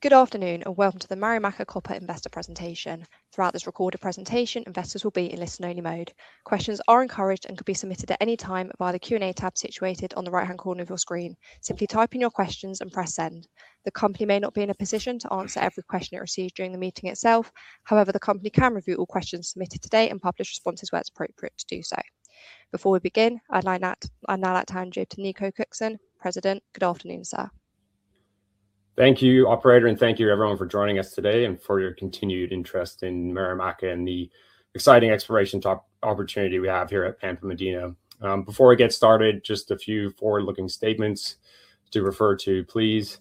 Good afternoon, welcome to the Marimaca Copper investor presentation. Throughout this recorded presentation, investors will be in listen-only mode. Questions are encouraged and can be submitted at any time via the Q&A tab situated on the right-hand corner of your screen. Simply type in your questions and press send. The company may not be in a position to answer every question it receives during the meeting itself. However, the company can review all questions submitted today and publish responses where it is appropriate to do so. Before we begin, I now hand over to Nico Cookson, President. Good afternoon, sir. Thank you, operator, thank you everyone for joining us today and for your continued interest in Marimaca and the exciting exploration opportunity we have here at Pampa Medina. Before we get started, just a few forward-looking statements to refer to, please.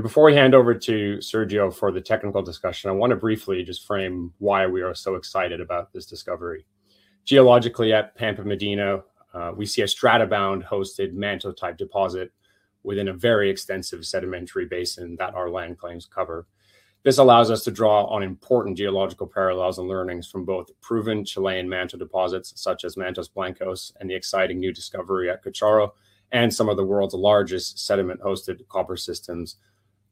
Before we hand over to Sergio for the technical discussion, I want to briefly just frame why we are so excited about this discovery. Geologically at Pampa Medina, we see a stratabound-hosted manto-type deposit within a very extensive sedimentary basin that our land claims cover. This allows us to draw on important geological parallels and learnings from both proven Chilean manto deposits, such as Mantos Blancos and the exciting new discovery at Cachorro, and some of the world's largest sediment-hosted copper systems,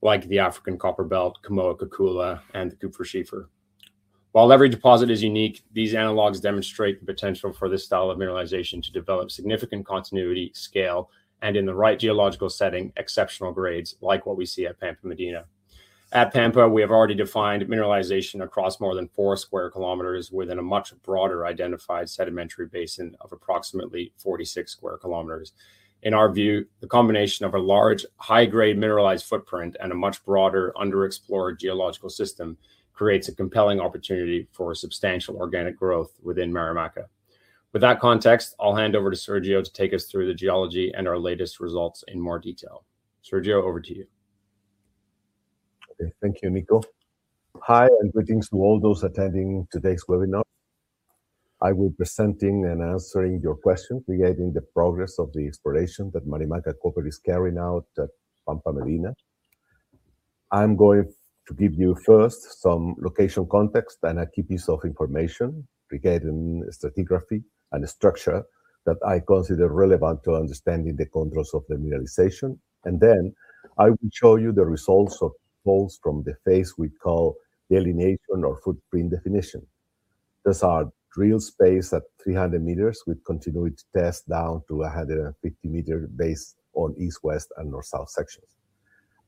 like the African Copper Belt, Kamoa-Kakula, and the Kupferschiefer. While every deposit is unique, these analogs demonstrate the potential for this style of mineralization to develop significant continuity scale, and in the right geological setting, exceptional grades like what we see at Pampa Medina. At Pampa, we have already defined mineralization across more than 4 sq km within a much broader identified sedimentary basin of approximately 46 sq km. In our view, the combination of a large, high-grade mineralized footprint and a much broader underexplored geological system creates a compelling opportunity for substantial organic growth within Marimaca. With that context, I will hand over to Sergio to take us through the geology and our latest results in more detail. Sergio, over to you. Okay. Thank you, Nico. Hi, greetings to all those attending today's webinar. I will be presenting and answering your questions regarding the progress of the exploration that Marimaca Copper is carrying out at Pampa Medina. I am going to give you first some location context and a key piece of information regarding stratigraphy and the structure that I consider relevant to understanding the controls of the mineralization. Then I will show you the results of holes from the phase we call delineation or footprint definition. Those are drill space at 300 meters with continuity test down to 150-meter base on east, west, and north, south sections.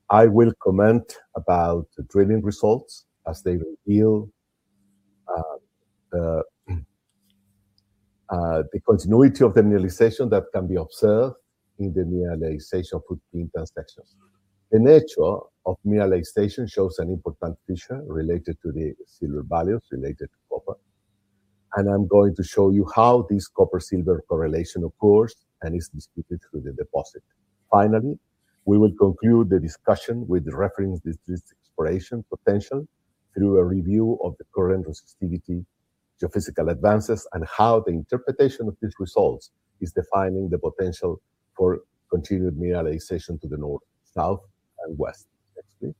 I will comment about the drilling results as they reveal the continuity of the mineralization that can be observed in the mineralization footprint intersections. The nature of mineralization shows an important feature related to the silver values related to copper. I am going to show you how this copper-silver correlation occurs and is distributed through the deposit. Finally, we will conclude the discussion with reference to this exploration potential through a review of the current resistivity geophysical advances, and how the interpretation of these results is defining the potential for continued mineralization to the north, south, and west. Next, please.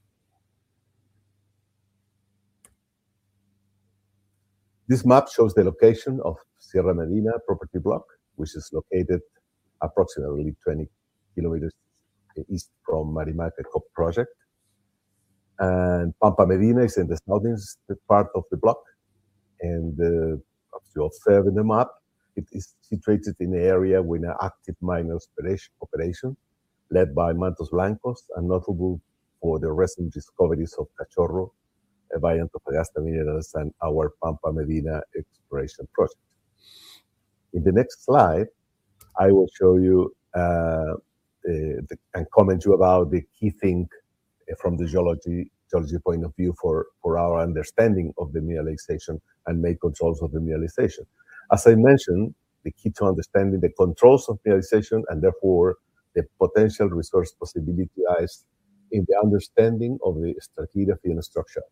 This map shows the location of Sierra Medina property block, which is located approximately 20 km east from Marimaca Copper project. Pampa Medina is in the southern part of the block, and as you observe in the map, it is situated in the area with an active mining operation led by Mantos Blancos and notable for the recent discoveries of Cachorro by Antofagasta Minerals and our Pampa Medina exploration project. In the next slide, I will show you and comment you about the key thing from the geology point of view for our understanding of the mineralization and main controls of the mineralization. As I mentioned, the key to understanding the controls of mineralization and therefore the potential resource possibility lies in the understanding of the stratigraphy and structure.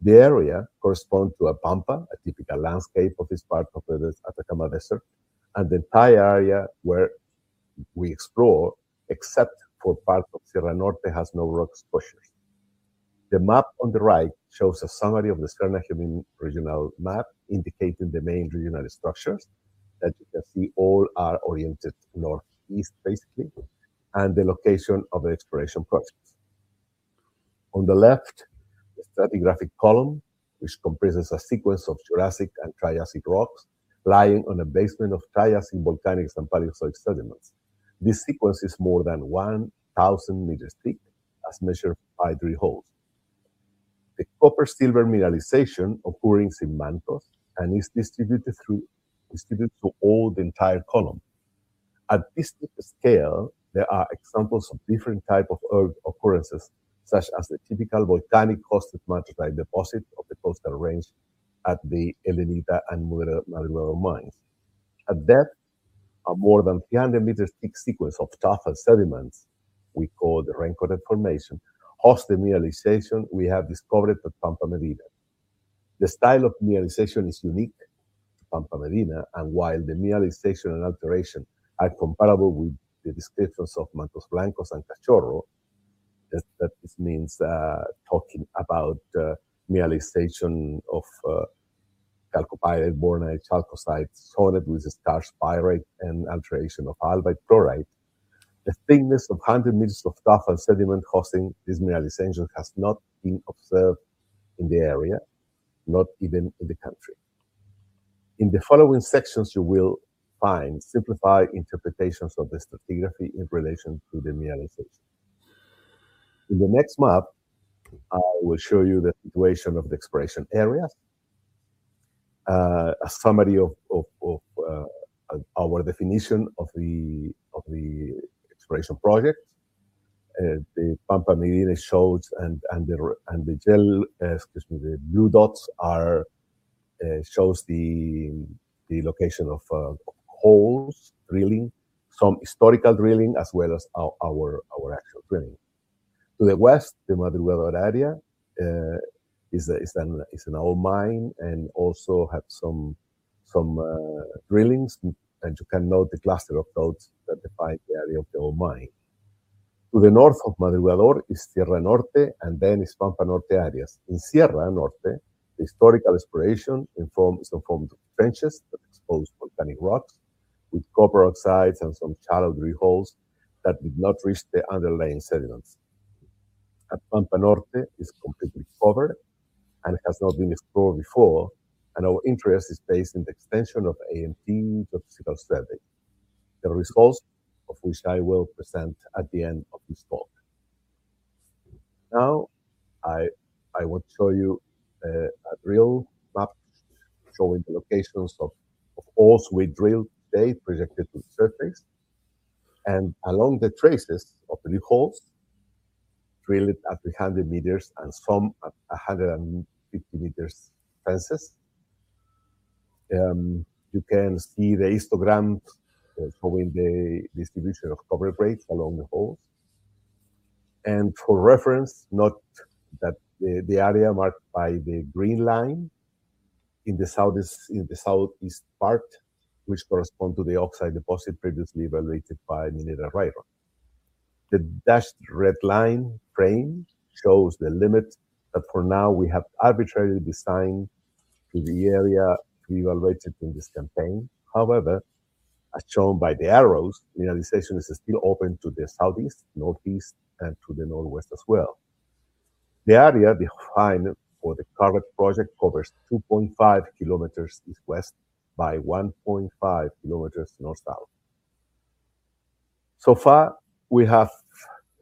The area corresponds to a pampa, a typical landscape of this part of the Atacama Desert, and the entire area where we explore, except for part of Sierra Norte, has no rock exposures. The map on the right shows a summary of the Sierra Medina regional map, indicating the main regional structures that you can see all are oriented northeast basically, and the location of the exploration projects. On the left, the stratigraphic column, which comprises a sequence of Jurassic and Triassic rocks lying on a basement of Triassic volcanics and Paleozoic sediments. This sequence is more than 1,000 meters thick, as measured by three holes. The copper silver mineralization occurring in Mantos and is distributed through all the entire column. At this scale, there are examples of different type of occurrences, such as the typical volcanic-hosted manto-type deposit of the coastal range at the El Teniente and Maricunga mines. At depth, a more than 300-meter thick sequence of tuff and sediments, we call the Rincon Formation, hosts the mineralization we have discovered at Pampa Medina. The style of mineralization is unique to Pampa Medina, and while the mineralization and alteration are comparable with the descriptions of Mantos Blancos and Cachorro, that this means talking about mineralization of chalcopyrite, bornite, chalcocite solid with starch pyrite and alteration of albite chlorite. The thickness of 100 meters of tuff and sediment hosting this mineralization has not been observed in the area, not even in the country. In the following sections, you will find simplified interpretations of the stratigraphy in relation to the mineralization. In the next map, I will show you the situation of the exploration areas. A summary of our definition of the exploration project, Pampa Medina. The blue dots show the location of holes drilling, some historical drilling, as well as our actual drilling. To the west, the Madrugador area is an old mine and also has some drillings. You can note the cluster of dots that define the area of the old mine. To the north of Madrugador is Sierra Norte, then Pampa Norte areas. In Sierra Norte, the historical exploration is in the form of trenches that exposed volcanic rocks with copper oxides and some shallow drill holes that did not reach the underlying sediments. Pampa Norte is completely covered and has not been explored before, and our interest is based on the extension of AMT geophysical survey, the results of which I will present at the end of this talk. Now I will show you a drill map showing the locations of holes we drilled today projected to the surface. Along the traces of the new holes drilled at 300 meters and some at 150 meters fences. You can see the histogram showing the distribution of copper grades along the holes. For reference, note that the area marked by the green line in the southeast part, which corresponds to the oxide deposit previously evaluated by Minera Rayo. The dashed red line frame shows the limit that for now we have arbitrarily assigned to the area we evaluated in this campaign. However, as shown by the arrows, mineralization is still open to the southeast, northeast, and to the northwest as well. The area defined for the current project covers 2.5 km east-west by 1.5 km north-south. So far, we have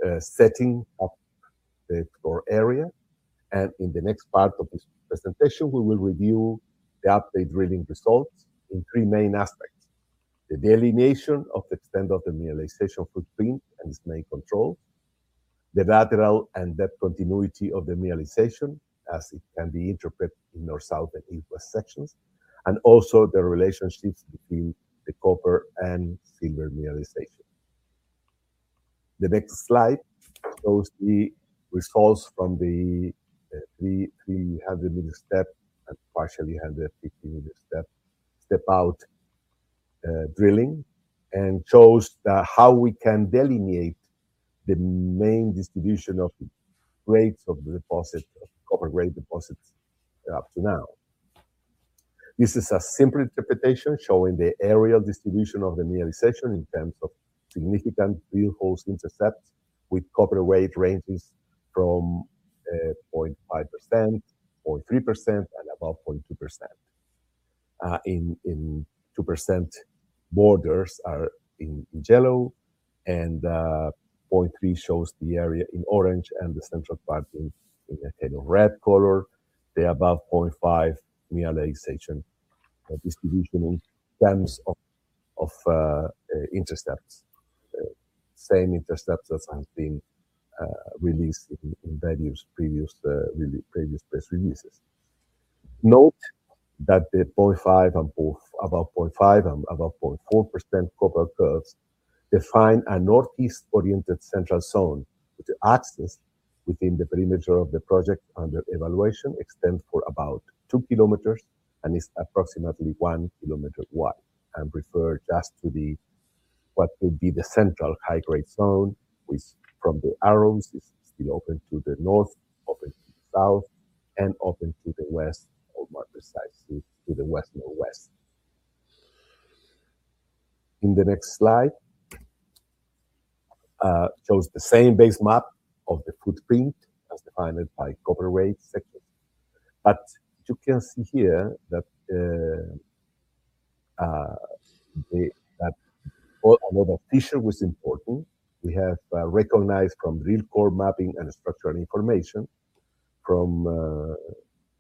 a setting of the core area, and in the next part of this presentation, we will review the update drilling results in three main aspects: the delineation of the extent of the mineralization footprint and its main controls, the lateral and depth continuity of the mineralization as it can be interpreted in north-south and east-west sections, and also the relationships between the copper and silver mineralization. The next slide shows the results from the 300-meter step and partially 150-meter step out drilling, and shows how we can delineate the main distribution of grades of the deposit, of copper grade deposits up to now. This is a simple interpretation showing the aerial distribution of the mineralization in terms of significant drill holes intercepts with copper grade ranges from 0.5%, 0.3%, and above 0.2%. 0.2% borders are in yellow. 0.3 shows the area in orange and the central part in a kind of red color. The above 0.5 mineralization distribution in terms of intercepts, same intercepts as has been released in previous press releases. Note that the 0.5 and above 0.5 and above 0.4% copper curves define a northeast-oriented central zone with the axis within the perimeter of the project under evaluation extends for about 2 km and is approximately 1 km wide. Refer just to what will be the central high-grade zone, which from the arrows is still open to the north, open to the south, and open to the west, or more precisely, to the west-northwest. The next slide shows the same base map of the footprint as defined by copper grade sections. You can see here that although the fissure was important, we have recognized from drill core mapping and structural information from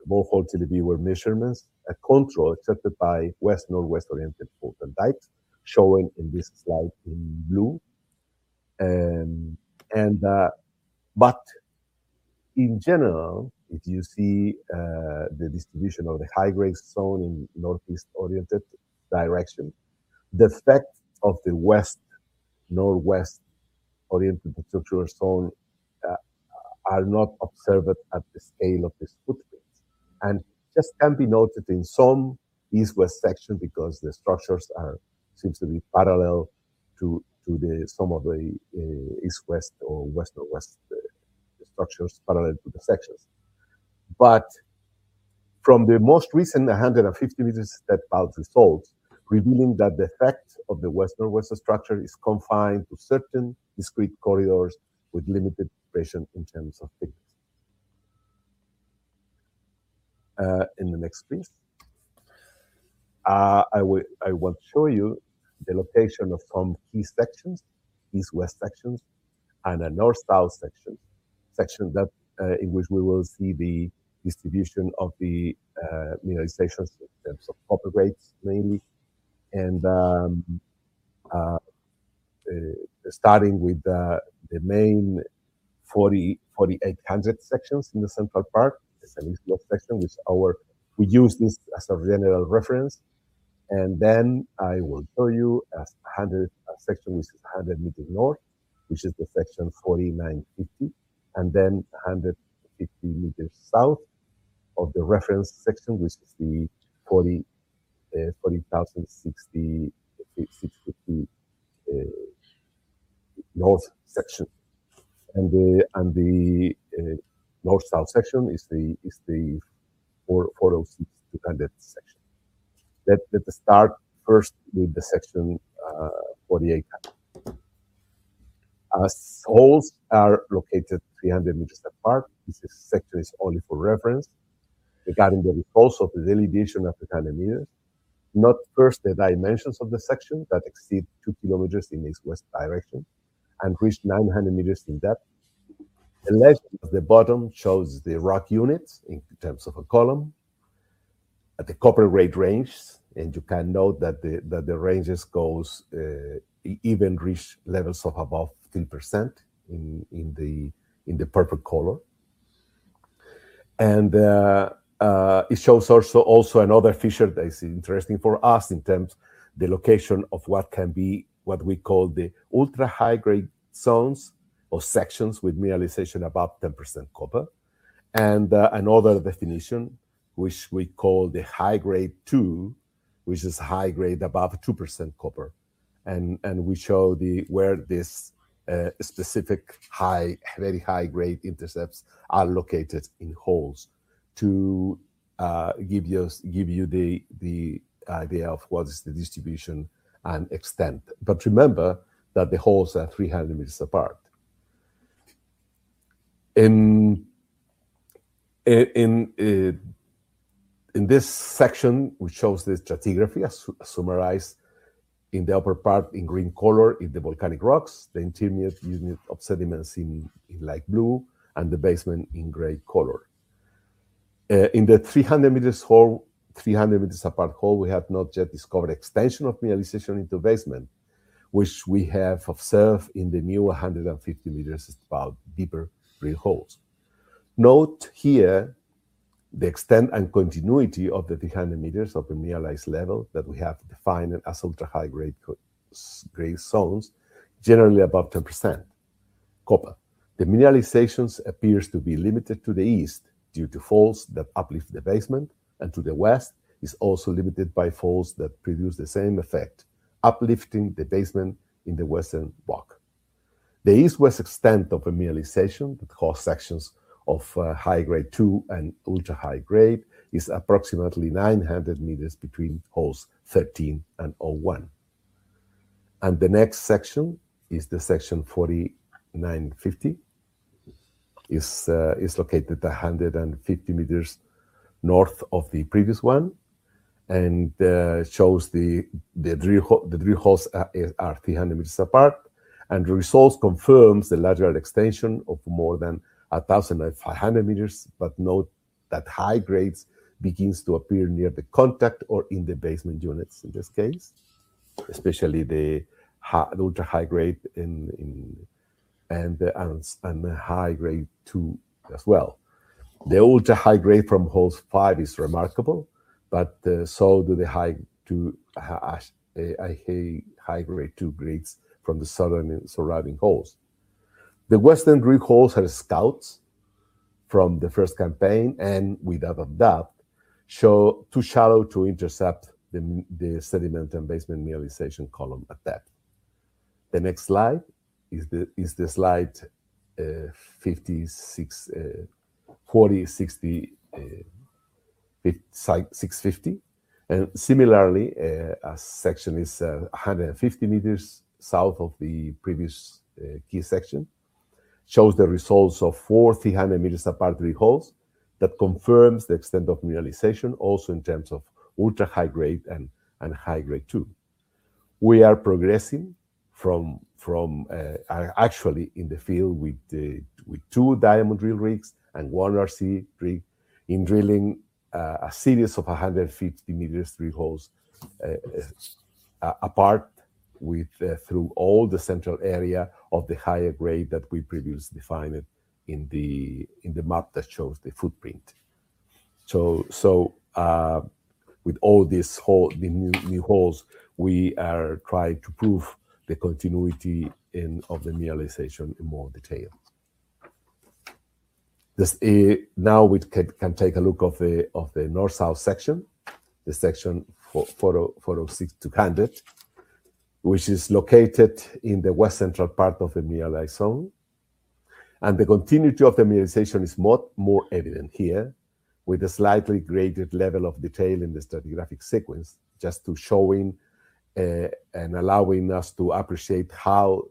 borehole televiewer measurements, a control accepted by west-northwest-oriented fault and dikes showing in this slide in blue. In general, if you see the distribution of the high-grade zone in northeast-oriented direction, the effect of the west-northwest-oriented structural zone are not observed at the scale of this footprint, and just can be noted in some east-west section because the structures seems to be parallel to some of the east-west or west-northwest structures parallel to the sections. From the most recent 150 meters step-out results, revealing that the effect of the west-northwest structure is confined to certain discrete corridors with limited variation in terms of thickness. In the next please. I want to show you the location of some key sections, east-west sections, and a north-south section. Section in which we will see the distribution of the mineralization in terms of copper grades, mainly. Starting with the main 4800 sections in the central part. It's an east-west section, we use this as a general reference. Then I will show you a section which is 100 meters north, which is section 4950, and then 150 meters south of the reference section, which is the 4650 north section. The north-south section is the 406,200 section. Let us start first with section 4800. As holes are located 300 meters apart, this section is only for reference regarding the results of the delineation of the 100 meters. Note first the dimensions of the section that exceed 2 km in the east-west direction and reach 900 meters in depth. The left at the bottom shows the rock units in terms of a column at the copper grade range, you can note that the ranges even reach levels of above 15% in the purple color. It shows also another feature that is interesting for us in terms the location of what we call the ultra-high-grade zones or sections with mineralization above 10% copper. Another definition, which we call the high grade 2, which is high grade above 2% copper. We show where this specific very high-grade intercepts are located in holes to give you the idea of what is the distribution and extent. Remember that the holes are 300 meters apart. In this section, which shows the stratigraphy as summarized in the upper part in green color, is the volcanic rocks, the intermediate unit of sediments in light blue, and the basement in gray color. In the 300 meters apart hole, we have not yet discovered extension of mineralization into basement, which we have observed in the new 150 meters step-out deeper drill holes. Note here the extent and continuity of the 300 meters of the mineralized level that we have defined as ultra-high-grade zones, generally above 10% copper. The mineralization appears to be limited to the east due to faults that uplift the basement, and to the west is also limited by faults that produce the same effect, uplifting the basement in the western block. The east-west extent of the mineralization that cross-sections of high grade 2 and ultra-high-grade is approximately 900 meters between holes 13 and 01. The next section is section 4950. It is located 150 meters north of the previous one. Shows the drill holes are 300 meters apart. Results confirm the lateral extension of more than 1,500 meters. Note that high grades begin to appear near the contact or in the basement units in this case, especially the ultra-high grade and the high grade 2 as well. The ultra-high grade from holes five is remarkable, so do the high grade 2 grades from the southern surrounding holes. The western drill holes are scouts from the first campaign. Without a doubt, show too shallow to intercept the sediment and basement mineralization column at depth. The next slide is the slide 40,650. Similarly, a section is 150 meters south of the previous key section. Shows the results of four 300-meters-apart drill holes that confirm the extent of mineralization also in terms of ultra-high grade and high grade 2. We are progressing actually in the field with two diamond drill rigs and one RC rig in drilling a series of 150 meters drill holes apart through all the central area of the higher grade that we previously defined in the map that shows the footprint. With all these new holes, we are trying to prove the continuity of the mineralization in more detail. Now we can take a look of the north-south section, the section 406,200 which is located in the west central part of the mineralized zone. The continuity of the mineralization is more evident here, with a slightly graded level of detail in the stratigraphic sequence, just showing and allowing us to appreciate how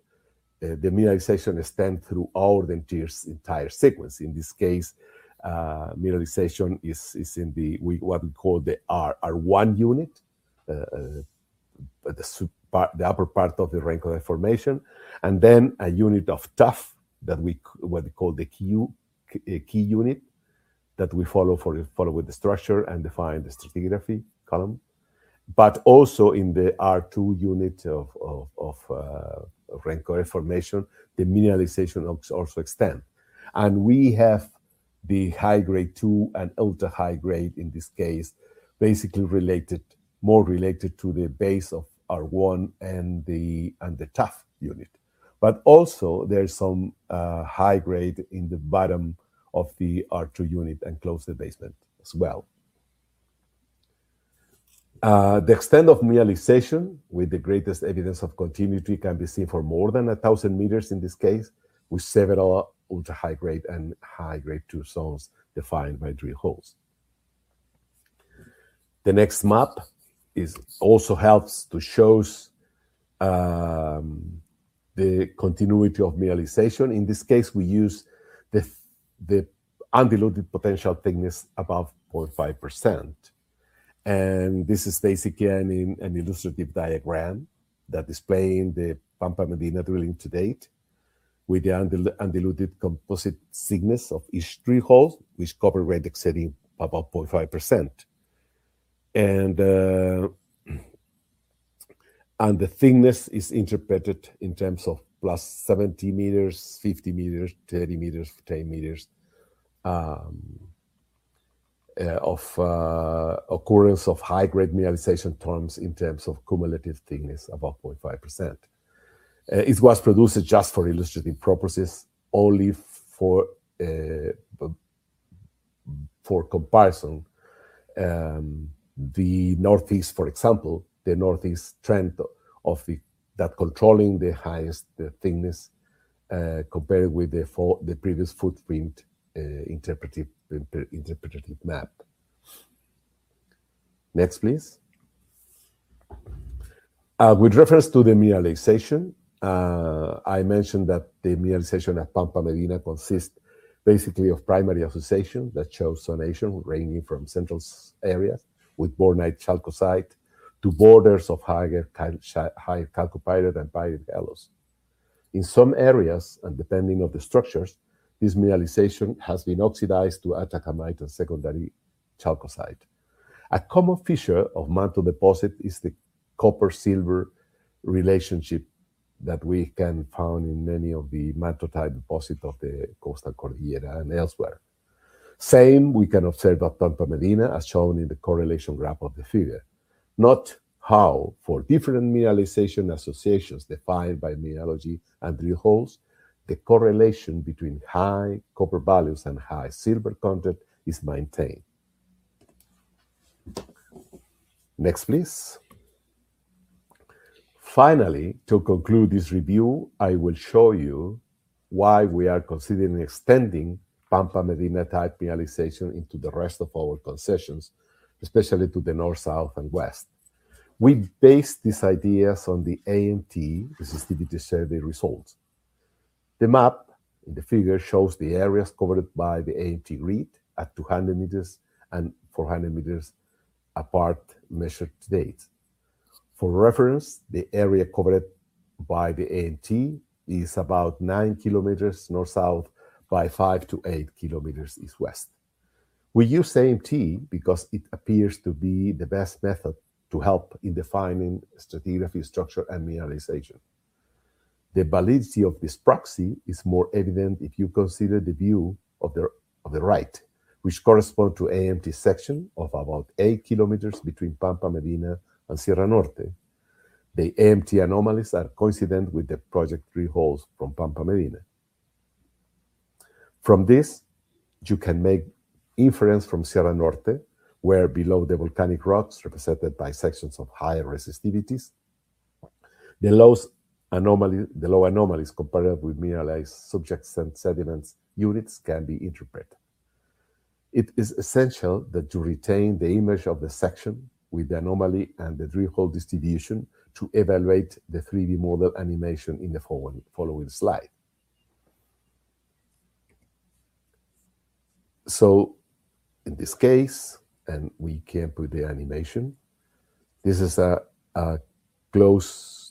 the mineralization extends through all the entire sequence. In this case, mineralization is in what we call the R1 unit, the upper part of the Rincon Formation, and then a unit of tuff, what we call the key unit, that we follow with the structure and define the stratigraphy column. Also in the R2 unit of Rincon Formation, the mineralization also extends. We have the high grade 2 and ultra-high grade in this case, basically more related to the base of R1 and the tuff unit. Also there is some high grade in the bottom of the R2 unit and close the basement as well. The extent of mineralization with the greatest evidence of continuity can be seen for more than 1,000 meters in this case, with several ultra-high grade and high grade 2 zones defined by drill holes. The next map also helps to show the continuity of mineralization. In this case, we use the undiluted potential thickness above 0.5%. This is basically an illustrative diagram that displays the Pampa Medina drilling to date with the undiluted composite thickness of each tree hole, with copper grade exceeding above 0.5%. The thickness is interpreted in terms of +70 meters, 50 meters, 30 meters, 10 meters, of occurrence of high grade mineralization terms in terms of cumulative thickness above 0.5%. It was produced just for illustrative purposes only for comparison. The northeast, for example, the northeast trend that controls the highest thickness, compared with the previous footprint interpretative map. Next, please. With reference to the mineralization, I mentioned that the mineralization at Pampa Medina consists basically of primary association that shows zonation ranging from central areas with bornite-chalcocite to borders of higher chalcopyrite and pyrite halos. In some areas, and depending on the structures, this mineralization has been oxidized to atacamite and secondary chalcocite. A common feature of manto deposit is the copper-silver relationship that we can found in many of the manto-type deposit of the Coastal Cordillera and elsewhere. Same we can observe at Pampa Medina as shown in the correlation graph of the figure. Note how for different mineralization associations defined by mineralogy and drill holes, the correlation between high copper values and high silver content is maintained. Next, please. Finally, to conclude this review, I will show you why we are considering extending Pampa Medina type mineralization into the rest of our concessions, especially to the north, south, and west. We based these ideas on the AMT resistivity survey results. The map in the figure shows the areas covered by the AMT grid at 200 meters and 400 meters apart measured to date. For reference, the area covered by the AMT is about 9 km north-south by 5-8 km east-west. We use AMT because it appears to be the best method to help in defining stratigraphy, structure and mineralization. The validity of this proxy is more evident if you consider the view of the right, which correspond to AMT section of about 8 km between Pampa Medina and Sierra Norte. The AMT anomalies are coincident with the project drill holes from Pampa Medina. From this, you can make inference from Sierra Norte, where below the volcanic rocks represented by sections of higher resistivities, the low anomalies compared with mineralized meta-sediments units can be interpreted. It is essential that to retain the image of the section with the anomaly and the drill hole distribution to evaluate the 3D model animation in the following slide. In this case, and we can put the animation, this is a close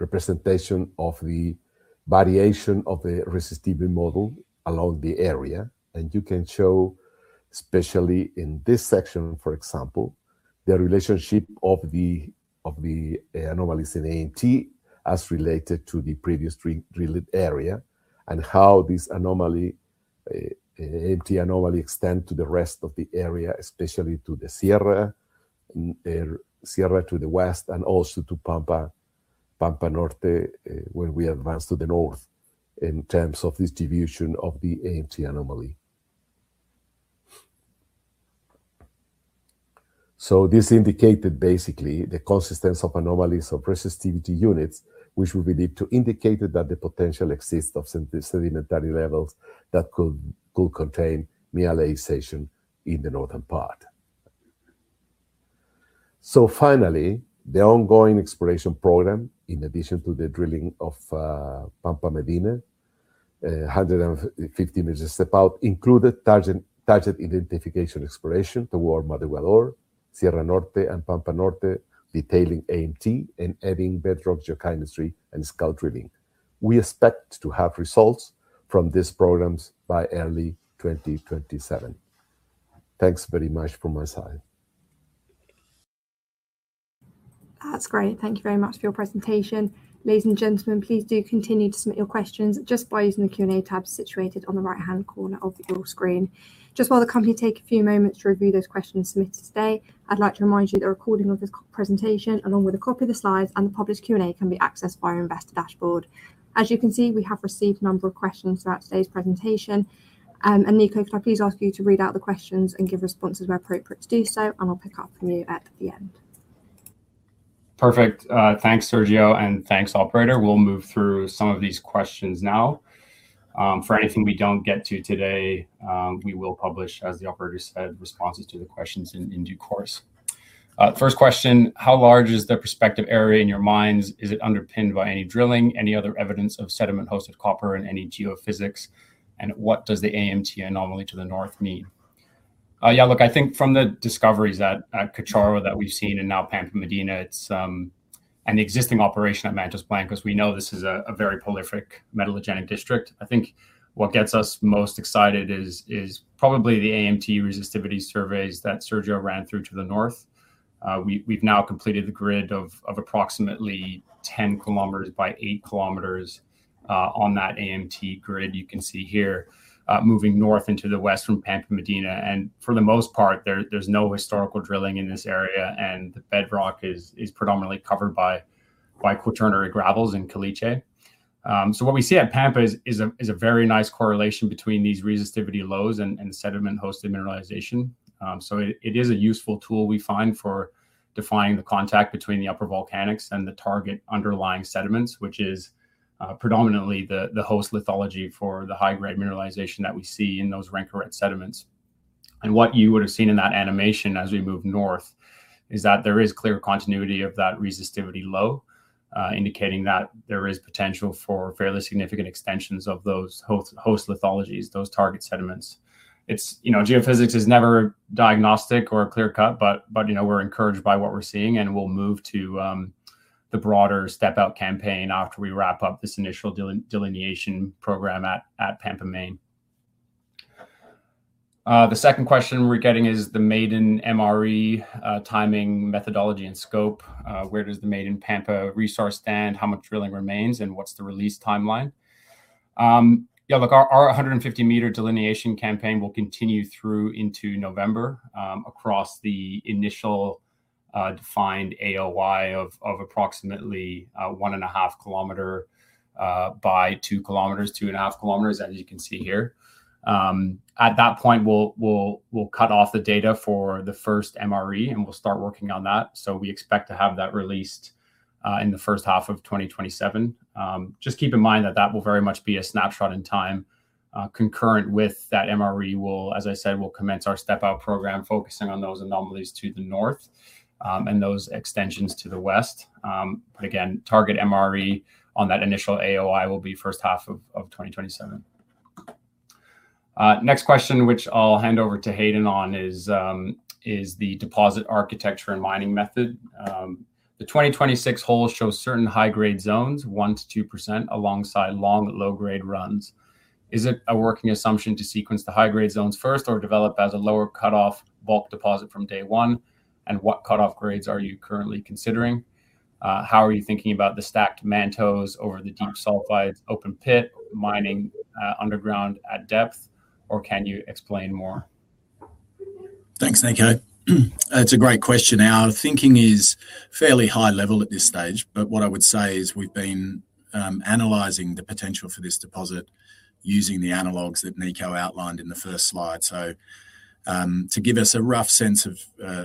representation of the variation of the resistivity model along the area. You can show, especially in this section, for example, the relationship of the anomalies in AMT as related to the previous drilled area and how these AMT anomaly extend to the rest of the area, especially to the Sierra to the west and also to Pampa Norte, where we advance to the north in terms of distribution of the AMT anomaly. This indicated basically the consistency of anomalies of resistivity units, which we believe to indicated that the potential exists of sedimentary levels that could contain mineralization in the northern part. Finally, the ongoing exploration program, in addition to the drilling of Pampa Medina, 150 meters step out, included target identification exploration toward Madrugador, Sierra Norte and Pampa Norte, detailing AMT and adding bedrock geochemistry and scout drilling. We expect to have results from these programs by early 2027. Thanks very much from my side. That's great. Thank you very much for your presentation. Ladies and gentlemen, please do continue to submit your questions just by using the Q&A tab situated on the right-hand corner of your screen. Just while the company take a few moments to review those questions submitted today, I'd like to remind you that a recording of this presentation, along with a copy of the slides and the published Q&A, can be accessed via investor dashboard. As you can see, we have received a number of questions throughout today's presentation. Nico, could I please ask you to read out the questions and give responses where appropriate to do so, and I'll pick up from you at the end. Perfect. Thanks, Sergio, and thanks, operator. We'll move through some of these questions now. For anything we don't get to today, we will publish, as the operator said, responses to the questions in due course. First question, how large is the prospective area in your minds? Is it underpinned by any drilling, any other evidence of sediment-hosted copper in any geophysics? What does the AMT anomaly to the north mean? Yeah, look, I think from the discoveries at Cachorro that we've seen, now Pampa Medina, and the existing operation at Mantos Blancos, we know this is a very prolific metallogenic district. I think what gets us most excited is probably the AMT resistivity surveys that Sergio ran through to the north. We've now completed the grid of approximately 10 km by 8 km on that AMT grid, you can see here, moving north into the west from Pampa Medina. For the most part, there's no historical drilling in this area, and the bedrock is predominantly covered by Quaternary gravels and caliche. What we see at Pampa is a very nice correlation between these resistivity lows and sediment-hosted mineralization. It is a useful tool we find for defining the contact between the upper volcanics and the target underlying sediments, which is predominantly the host lithology for the high-grade mineralization that we see in those Rincon sediments. What you would've seen in that animation as we move north is that there is clear continuity of that resistivity low, indicating that there is potential for fairly significant extensions of those host lithologies, those target sediments. Geophysics is never diagnostic or clear-cut, we're encouraged by what we're seeing, and we'll move to the broader step-out campaign after we wrap up this initial delineation program at Pampa Main. The second question we're getting is the maiden MRE timing, methodology, and scope. Where does the maiden Pampa resource stand? How much drilling remains, and what's the release timeline? Yeah, look, our 150-meter delineation campaign will continue through into November, across the initial defined AOI of approximately 1.5 km by 2.5 km, as you can see here. At that point, we'll cut off the data for the first MRE, and we'll start working on that. We expect to have that released in the H1 of 2027. Just keep in mind that that will very much be a snapshot in time. Concurrent with that MRE, as I said, we'll commence our step-out program, focusing on those anomalies to the north, and those extensions to the west. Target MRE on that initial AOI will be H1 of 2027. Next question, which I'll hand over to Hayden on, is the deposit architecture and mining method. The 2026 holes show certain high-grade zones, 1%-2%, alongside long, low-grade runs. Is it a working assumption to sequence the high-grade zones first or develop as a lower cutoff bulk deposit from day one? What cutoff grades are you currently considering? How are you thinking about the stacked mantos over the deep sulfides open pit mining underground at depth, or can you explain more? Thanks, Nico. That's a great question. Our thinking is fairly high level at this stage, what I would say is we've been analyzing the potential for this deposit using the analogs that Nico outlined in the first slide. To give us a rough sense of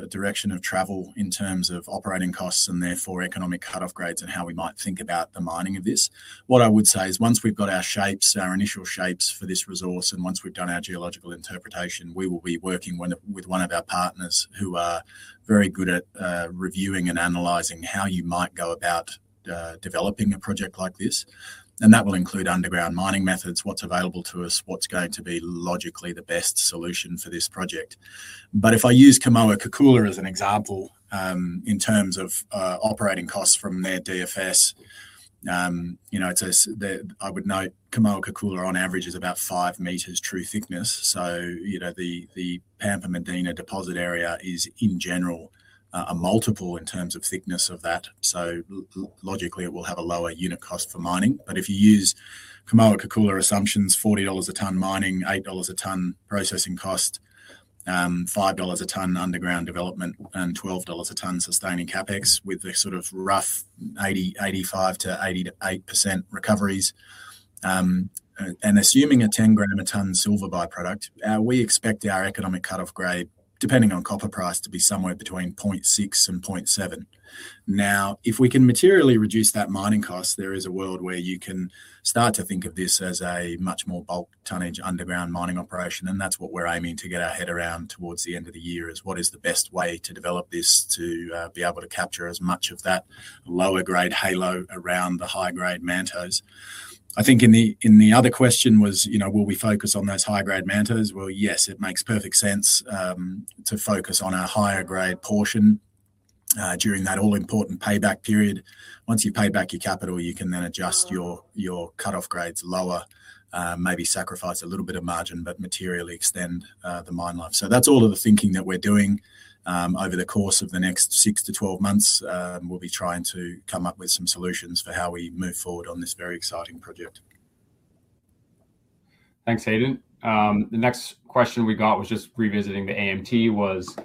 direction of travel in terms of operating costs and therefore economic cutoff grades and how we might think about the mining of this, what I would say is once we've got our initial shapes for this resource, and once we've done our geological interpretation, we will be working with one of our partners who are very good at reviewing and analyzing how you might go about developing a project like this. That will include underground mining methods, what's available to us, what's going to be logically the best solution for this project. If I use Kamoa-Kakula as an example, in terms of operating costs from their DFS, I would note Kamoa-Kakula on average is about 5 meters true thickness. The Pampa Medina deposit area is, in general, a multiple in terms of thickness of that. Logically, it will have a lower unit cost for mining. If you use Kamoa-Kakula assumptions, $40 a ton mining, $8 a ton processing cost, $5 a ton underground development, and $12 a ton sustaining CapEx with a sort of rough 85%-88% recoveries. Assuming a 10 grams a ton silver byproduct, we expect our economic cutoff grade, depending on copper price, to be somewhere between 0.6 and 0.7. If we can materially reduce that mining cost, there is a world where you can start to think of this as a much more bulk tonnage underground mining operation, and that's what we're aiming to get our head around towards the end of the year, is what is the best way to develop this to be able to capture as much of that lower grade halo around the high-grade mantos. I think in the other question was will we focus on those high-grade mantos? Yes, it makes perfect sense to focus on a higher grade portion During that all-important payback period. Once you pay back your capital, you can adjust your cutoff grades lower, maybe sacrifice a little bit of margin, materially extend the mine life. That's all of the thinking that we're doing. Over the course of the next 6-12 months, we'll be trying to come up with some solutions for how we move forward on this very exciting project. Thanks, Hayden. The next question we got was just revisiting the AMT was,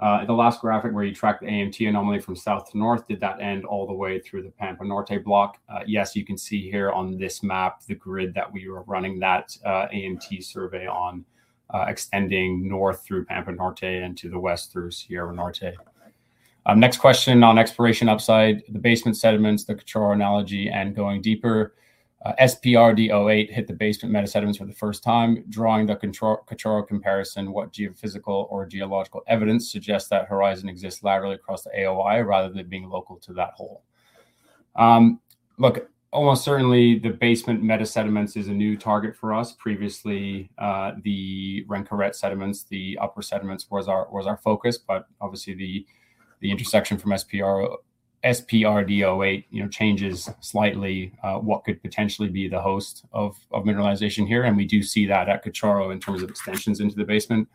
"The last graphic where you tracked the AMT anomaly from south to north, did that end all the way through the Pampa Norte block?" Yes. You can see here on this map the grid that we were running that AMT survey on, extending north through Pampa Norte and to the west through Sierra Norte. Next question on exploration upside, the basement sediments, the Cortadera analogy, and going deeper. SPRD-08 hit the basement meta-sediments for the first time, drawing the Cortadera comparison. What geophysical or geological evidence suggests that horizon exists laterally across the AOI rather than it being local to that hole? Look, almost certainly the basement meta-sediments is a new target for us. Previously, the Rincon sediments, the upper sediments was our focus, obviously the intersection from SPRD-08 changes slightly what could potentially be the host of mineralization here, and we do see that at Cortadera in terms of extensions into the basement.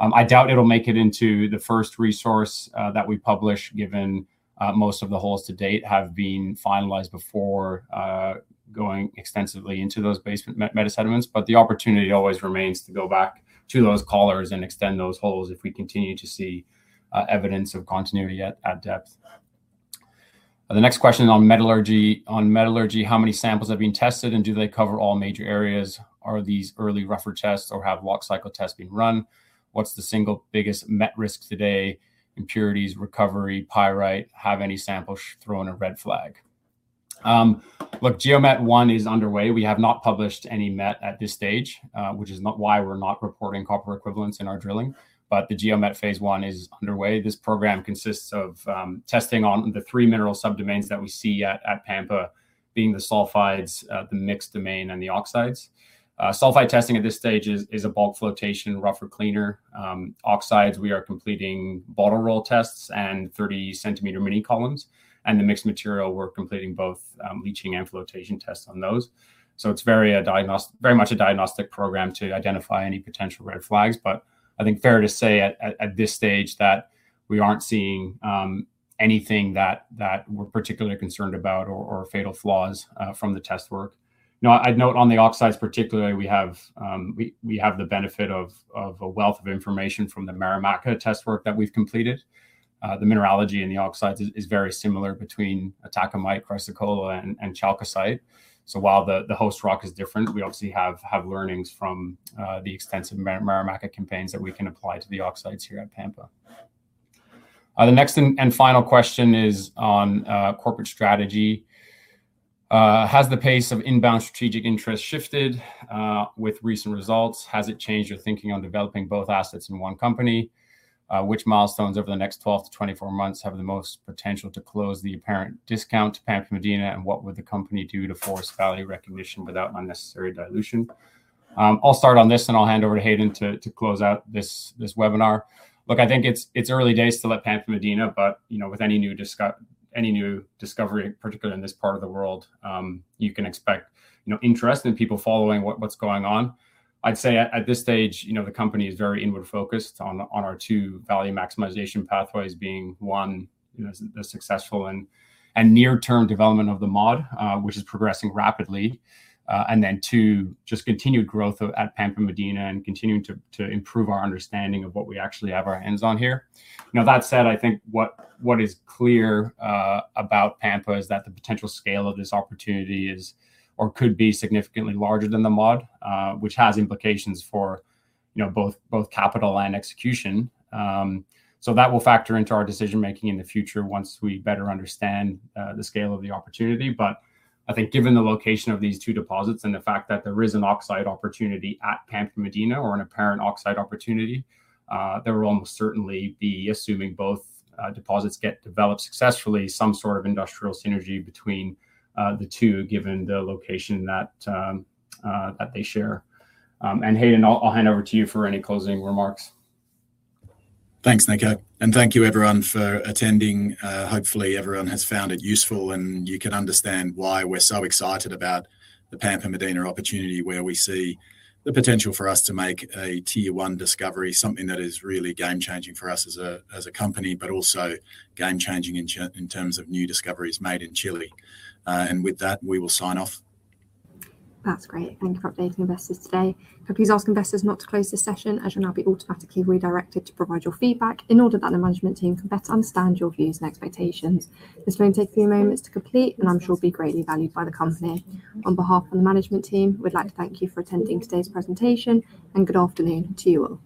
I doubt it'll make it into the first resource that we publish, given most of the holes to date have been finalized before going extensively into those basement meta-sediments. The opportunity always remains to go back to those collars and extend those holes if we continue to see evidence of continuity at depth. The next question on metallurgy. On metallurgy, how many samples have been tested, and do they cover all major areas? Are these early rougher tests or have walk cycle tests been run? What's the single biggest met risk today, impurities, recovery, pyrite? Have any samples thrown a red flag? Look, GeoMet one is underway. We have not published any met at this stage, which is why we're not reporting copper equivalents in our drilling. The GeoMet phase one is underway. This program consists of testing on the three mineral sub-domains that we see at Pampa, being the sulfides, the mixed domain, and the oxides. Sulfide testing at this stage is a bulk flotation rougher cleaner. Oxides, we are completing bottle roll tests and 30 cm mini columns, and the mixed material, we're completing both leaching and flotation tests on those. It's very much a diagnostic program to identify any potential red flags. I think fair to say at this stage that we aren't seeing anything that we're particularly concerned about or fatal flaws from the test work. Now I'd note on the oxides particularly, we have the benefit of a wealth of information from the Marimaca test work that we've completed. The mineralogy and the oxides is very similar between atacamite, chrysocolla, and chalcocite. While the host rock is different, we obviously have learnings from the extensive Marimaca campaigns that we can apply to the oxides here at Pampa. The next and final question is on corporate strategy. Has the pace of inbound strategic interest shifted with recent results? Has it changed your thinking on developing both assets in one company? Which milestones over the next 12-24 months have the most potential to close the apparent discount to Pampa Medina, and what would the company do to force value recognition without unnecessary dilution? I'll start on this, and I'll hand over to Hayden to close out this webinar. Look, I think it's early days to let Pampa Medina, but with any new discovery, particularly in this part of the world, you can expect interest in people following what's going on. I'd say at this stage, the company is very inward-focused on our two value maximization pathways being one, the successful and near-term development of the MOD, which is progressing rapidly. Two, just continued growth at Pampa Medina and continuing to improve our understanding of what we actually have our hands on here. Now, that said, I think what is clear about Pampa is that the potential scale of this opportunity is or could be significantly larger than the MOD, which has implications for both capital and execution. That will factor into our decision-making in the future once we better understand the scale of the opportunity. I think given the location of these two deposits and the fact that there is an oxide opportunity at Pampa Medina or an apparent oxide opportunity, there will almost certainly be, assuming both deposits get developed successfully, some sort of industrial synergy between the two, given the location that they share. Hayden, I'll hand over to you for any closing remarks. Thanks, Nico. Thank you everyone for attending. Hopefully, everyone has found it useful, and you can understand why we're so excited about the Pampa Medina opportunity, where we see the potential for us to make a tier one discovery, something that is really game-changing for us as a company, but also game-changing in terms of new discoveries made in Chile. With that, we will sign off. That's great. Thank you for updating investors today. Could I please ask investors not to close this session, as you'll now be automatically redirected to provide your feedback in order that the management team can better understand your views and expectations. This will only take a few moments to complete and I'm sure will be greatly valued by the company. On behalf of the management team, we'd like to thank you for attending today's presentation, and good afternoon to you all.